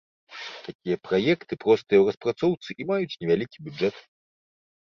Такія праекты простыя ў распрацоўцы і маюць невялікі бюджэт.